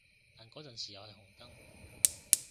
但嗰陣時係紅燈